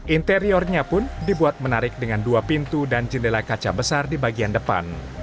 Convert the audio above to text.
interiornya pun dibuat menarik dengan dua pintu dan jendela kaca besar di bagian depan